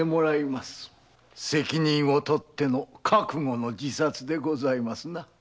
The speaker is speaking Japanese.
責任を取っての覚悟の自殺でございますな。